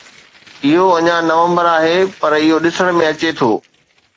اهو اڃا نومبر آهي، پر اهو ڏسڻ ۾ اچي ٿو